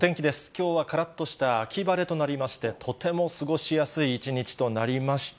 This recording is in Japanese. きょうはからっとした秋晴れとなりまして、とても過ごしやすい一日となりました。